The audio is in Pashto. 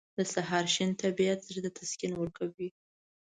• د سهار شین طبیعت زړه ته سکون ورکوي.